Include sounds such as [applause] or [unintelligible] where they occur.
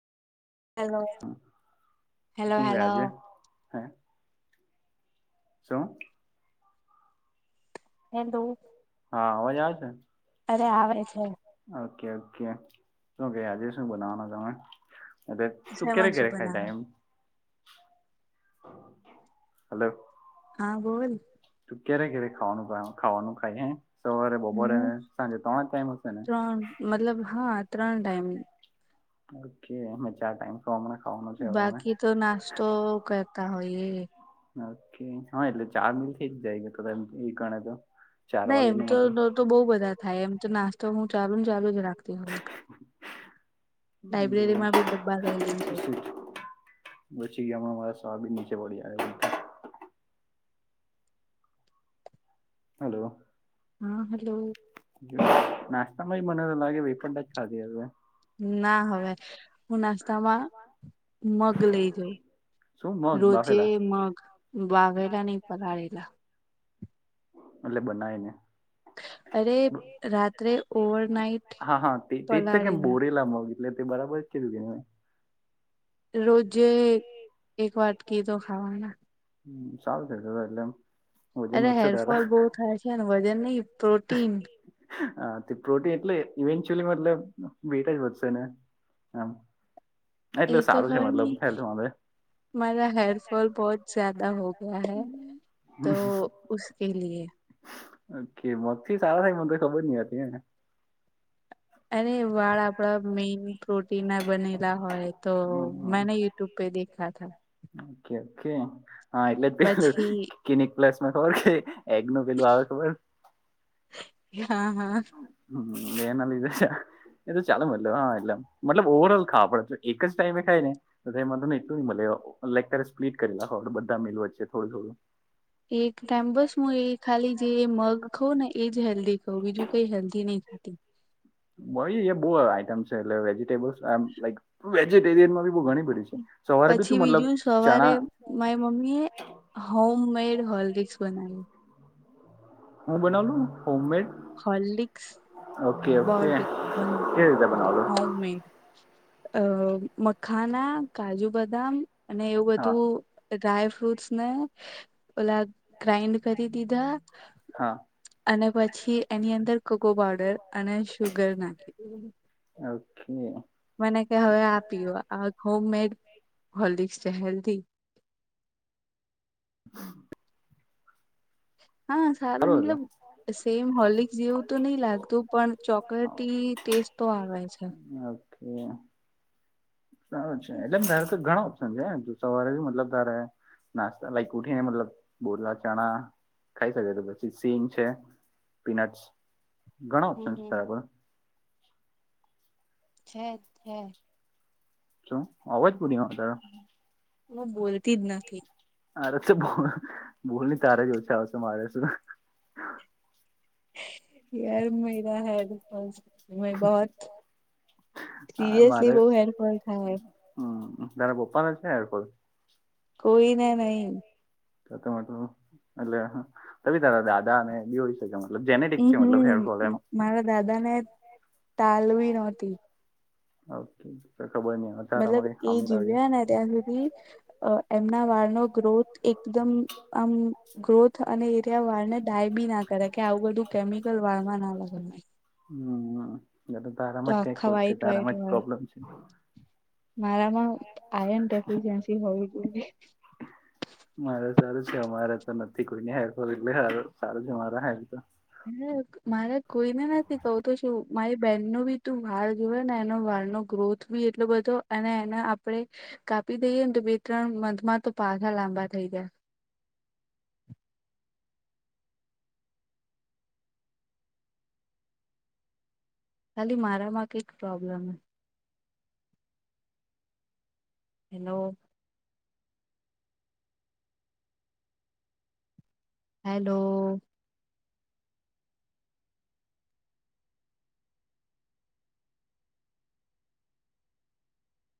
Hello hello હું hello વ્યાજે હે? શું? હેલો. હા અવાજ આવે છે? અરે આવે છે. ઓકે ઓકે, શું કેય આજે શું બનાવાના તમે? અ તું ક્યારે શેમાં શું ક્યારે ખાય બનાવે ટાઈમ? હલો. હા બોલ. તું ક્યારે ક્યારે ખાવાનું ખાવાનું ખાય હે સવારે હમ બપોરેને સાંજે ત્રણ જ ટાઈમ હશે ને? ત્રણ મતલબ હા ત્રણ ટાઈમ. ઓકે મે ચાર ટાઈમ. તો અમણે ખાવાનું. બાકી તો નાસ્તો કરતા હોયએ. ઓકે હ એટલે ચાર મિલ થઈ જાય ક એ ગણે તો. ચાર નઇ વાગે એમ નું તો મતલબ તો બો બધા થાય એમ તો નાસ્તો હું ચાલુ ન ચાલુ જ રાખું. લાયબ્રેરી માં બી ડબ્બા લઈ લઈએ. પછી ગયા માં ણાં મારા સબીન નીચે પડી આવે. હાલો. હા હલો. નાસ્તામાંય મને તો લાગે વેફર ને જ ખાધી હસે? ના હવે, હું નાસ્તામાં મગ લેઈજો, શું મગ રોજે બાફેલા મગ વાવેરા ની. પલાળેલા. એટલે બનાય ને? અરે રાત્રે ઓવરનાઈટ હા હા તેજ કેમ પલાળીને બોરેલા મગ. એટલે તે બરાબર કીધું નેમે. રોજે એક વાટકી તો ખાવાના. હમ સારું થસે એટલે એમ. વજન અરે વધશે હેરફોલ તારા બો થાય છે ને વજન નય પ્રોટીન. હા તે પ્રોટી એટલે ઇવેન્ચુલી મતલબ વેટજ વધશે ને? એમ, એ એટલે તો સારું છે ખબર નહી મતલબ. મારા હેરફોલ [unintelligible] કે મગથી સારા થાય મને તો ખબર ન‌ઈ હતી ને. એને વાળ આપડા મેન પ્રોટીન ના બનેલા હોય તો હ મને [unintelligible] ઓ કે ઓ કે હા, એટલે પછી કિનિક પ્લસ માં ખબર કે એગ નું પેલું આવે ખબર. હા હા. હમ એના લીધે છે. એ તો ચાલે મતલબ હા એમ મતલબ ઓવરલ ખાવા પડે એક જ ટાઈમે ખાય ને. [unintelligible] વચ્ચે થોડું થોડું. એક ટાઈમ બસ હું એ ખાલી જે મગ ખઉં ને એજ હેલ્ધી. તો બીજું કઈ હેલ્ધી ન‌ઈ ખાય. [unintelligible] સવારે બી પછી તું મતલબ બીજું સવારે ચણા મારી મમ્મી એ હોમ મેડ હોલીકસ બનાવેલુ. હું બનાવલું હોમ મેડ? હલ્લીક, કેવી [unintelligible] રીતે બનાવલું હોમ મેડ અ મખાના કાજુ બદામ અને એવું હા બધું ડ્રાય ફ્રૂટસ ને, ઓલા ગ્રાઇન્ડ કરી દીધા. હા અને પછી એની અંદર કોકો પાવડર અને શુગર નાખી દીધી. ઓકે. મને કે હવે આ પીવા હોમ મેડ હોલીકસ છે હેલ્ધી. [inaudible] હા સારું મતલબ સેમ હોલિક જેવું તો ન‌ઈ લાગતું પણ ચોકલેટી ટેસ્ટ તો આવે છે. ઓ કે. સારું છે હમ એટલે તારે તો ઘણો સમજ દુસા વ મતલબ તારે નાસ્તા લાઈક કઠી ને મતલબ બોલા ચણા. ખાઈ શકે તો પછી સિંગ છે, પીનટ્સ ઘણા ઓપ્શન છે હમ તારા પર. છે છે. શું [unintelligible] હું બોલતી જ નથી. અરે તો બોલ તારા જ ઓછા આવશે મારે શું. યાર મારે [unintelligible] [unintelligible] હમ તારા [unintelligible] કોઈને નહી. [unintelligible] જેનેટિક હમ છે મલબ હેરફો એમ. હમ મારા દાદા ને ટાલ વી ન‌ઓતી. ઓ કે ખબર ની અવે. મતલબ એ જીવયા ને ત્યાં સુધી. અ એમના વાળનો ગ્રોથ એકદમ આમ ગ્રોથ અને એરિયા વાળને ડાય બી ના કરે કે આવું બધું કેમિકલ વાળમાં ના લગે. હમ, તારામાં જ ક્યાં આખા કર છે વ્હાઈટ વ્હાઈટ તારામાં જ વાળ પ્રોબ્લેમ છે. મારામાં આન ડેફિયસી હોવી જોઈએ. મારે સારું છે અમારે તો નથી કોઈ ની હેર ફોલ એટલે સારું છે મારા હેર તો. હ મારે કોઈને નથી કહ તો શું મારી બેન ન બી તું વાળ જોવે ને એનો વાળ નો ગ્રોથ થ્વી એટલો બધો અને એના આપણે કાપી દઈએ ને તો બે ત્રણ મથ માં તો પાછા લાંબા થઈ જાય. ખાલી મારામાં કંઈક પ્રોબ્લેમ. હેલો. હેલો-